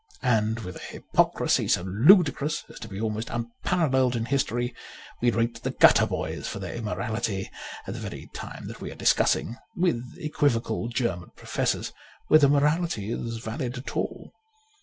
And with a hypocrisy so ludicrous as to be almost unparalleled in history, we rate the gutter boys for their immorality at the very time that we are discussing (with equivocal German professors) whether morality is valid at all.